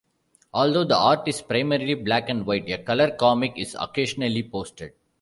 Although the art is primarily black and white, a color comic is occasionally posted.